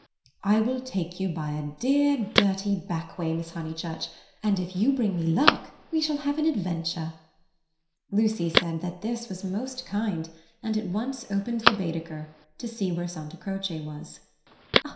"I will take you by a dear dirty back way, Miss Honeychurch, and if you bring me luck, we shall have an adventure." Lucy said that this was most kind, and at once opened the Baedeker, to see where Santa Croce was.